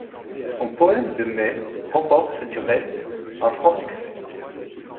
Son poème de mai remporte du reste un franc succès.